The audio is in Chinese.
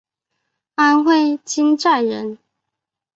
安徽金寨人。